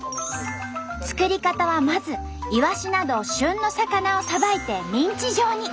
作り方はまずいわしなど旬の魚をさばいてミンチ状に。